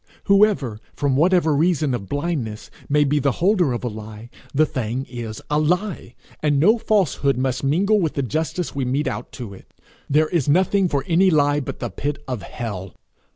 Whoever, from whatever reason of blindness, may be the holder of a lie, the thing is a lie, and no falsehood must mingle with the justice we mete out to it. There is nothing for any lie but the pit of hell.